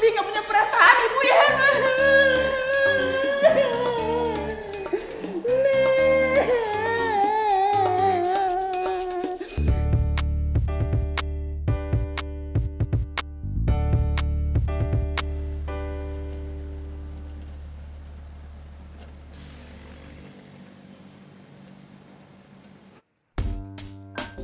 ibu harus menangis